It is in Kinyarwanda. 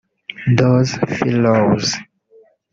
those fellows